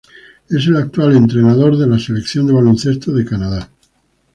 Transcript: Es el actual entrenador de la selección de baloncesto de Canadá.